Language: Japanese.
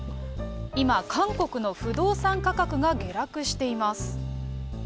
今、韓国の不動産価格が下落しています。